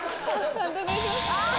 判定お願いします。